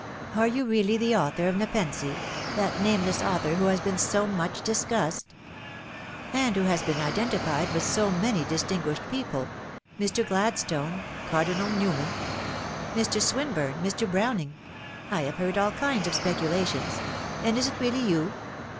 Are you really the author of Nepenthe, that nameless author who has been so much discussed ?"" And who has been identified with so many distinguished people Mr. Gladstone Cardinal Newman." " Mr. Swinburne Mr. Browning. I have heard all kinds of speculations. And is it really you